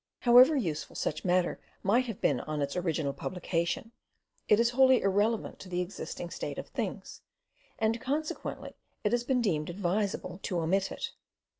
However useful such matter might have been on its original publication, it is wholly irrelevant to the existing state of things, and consequently it has been deemed advisable to omit it.